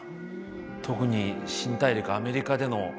特に新大陸アメリカでの南北戦争。